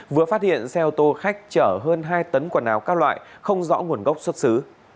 vừa phát hiện xe ô tô khách chở hơn hai tấn quần áo các loại không rõ nguồn gốc xuất xứ